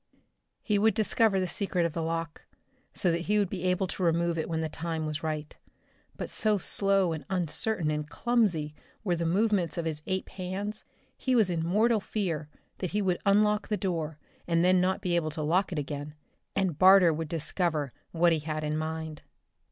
He would discover the secret of the lock, so that he would be able to remove it when the time was right but so slow and uncertain and clumsy were the movements of his ape hands, he was in mortal fear that he would unlock the door and then not be able to lock it again, and Barter would discover what he had in mind.